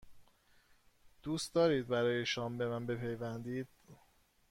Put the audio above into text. دوست دارید برای شام به من بپیوندید؟